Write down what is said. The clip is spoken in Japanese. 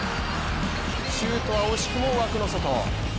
シュートは惜しくも枠の外。